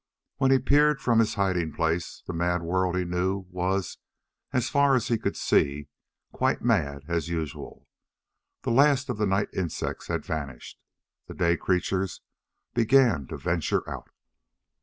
When he peered from his hiding place, the mad world he knew was, as far as he could see, quite mad, as usual. The last of the night insects had vanished. The day creatures began to venture out.